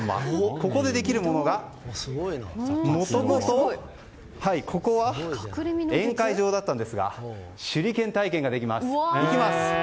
ここでできるものがもともと、ここは宴会場でしたが手裏剣体験ができます。